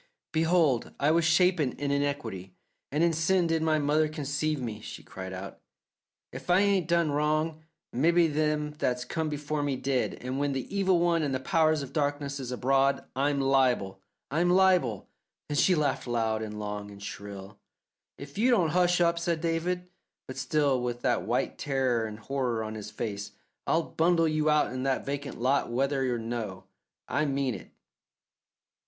"Behold, I was shapen in iniquity; and in sin did my mother conceive me," she cried out. "If I ain't done wrong, mebbe them that's come before me did, and when the Evil One and the Powers of Darkness is abroad I'm liable, I'm liable!" Then she laughed loud and long and shrill. "If you don't hush up," said David, but still with that white terror and horror on his own face, "I'll bundle you out in that vacant lot whether or no. I mean it."